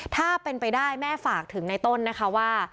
ถ้าเป็นไปได้แม่ฝากถึงในต้นนะคะว่า